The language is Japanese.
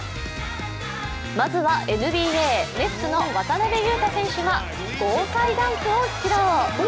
まずはＮＢＡ、ネッツの渡邊雄太選手が豪快ダンクを披露。